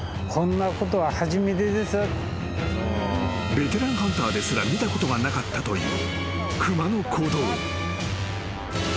［ベテランハンターですら見たことがなかったという熊の行動］